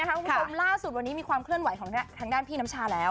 เหล่าสุดกริมีความเคลื่อนไหวของทางด้านพี่น้ำชาแล้ว